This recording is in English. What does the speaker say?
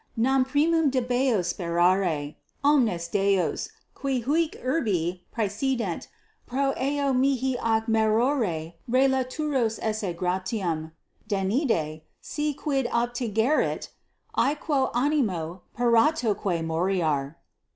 Nam primum debeo sperare, omnes deos, qui huic urbi praesident, pro eo mihi ac mereor relaturos esse gratiam: deinde, si quid obtigerit, aequo animo paratoque moriar.